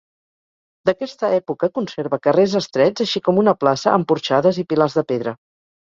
D'aquesta època conserva carrers estrets així com una plaça amb porxades i pilars de pedra.